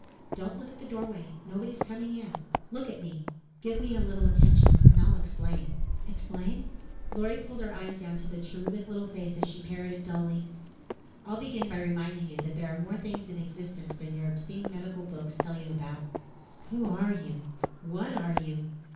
"Don't look at the doorway. Nobody's coming in. Look at me. Give me a little attention and I'll explain." "Explain?" Lorry pulled her eyes down to the cherubic little face as she parroted dully. "I'll begin by reminding you that there are more things in existence than your obscene medical books tell you about." "Who are you? What are you?"